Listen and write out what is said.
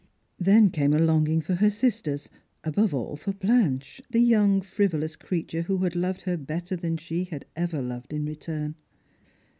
Then came a longing for her sisters, above all for Blanche, the young frivolous creature who had loved her better than she had ever loved in return.